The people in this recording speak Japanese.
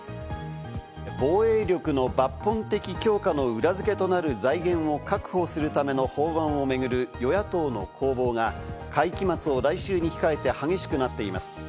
防衛力の抜本的強化の裏付けとなる財源を確保するための法案を巡る与野党の攻防が会期末を来週に控えて激しくなっています。